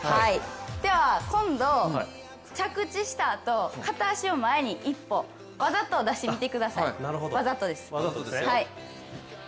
では今度、着地したあと片足を前に一歩わざと出してみてください。